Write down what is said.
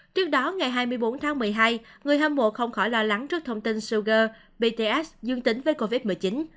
trước đó ngày hai mươi bốn tháng một mươi hai người hâm mộ không khỏi lo lắng trước thông tin showger bts dương tính với covid một mươi chín